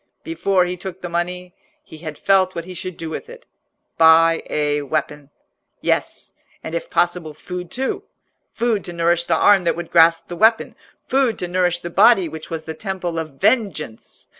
Before he took the money, he had felt what he should do with it—buy a weapon. Yes, and if possible, food too; food to nourish the arm that would grasp the weapon, food to nourish the body which was the temple of vengeance.